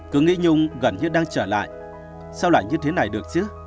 cứ nghĩ nhung gần như đang trở lại sau lại như thế này được chứ